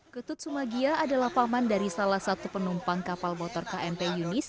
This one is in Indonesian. ketut sumagia adalah paman dari salah satu penumpang kapal motor kmp yunis